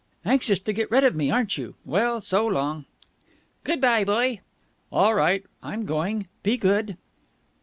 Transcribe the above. "Anxious to get rid of me, aren't you? Well, so long." "Good bye, boy!" "All right, I'm going. Be good!"